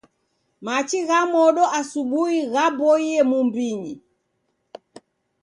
Machi gha modo asubui ghaboie mumbinyi